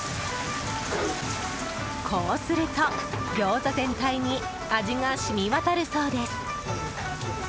こうすると餃子全体に味が染みわたるそうです。